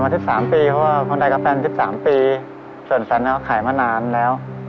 ต่อมา๑๓ปีเพราะว่าพ่อใดกับแฟน๑๓ปีส่วนแฟนเขาขายมานานแล้ว